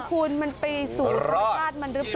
มันตกลงมันรอดชีวิตค่ะมันไปสู่ธรรมชาติมันหรือเปล่า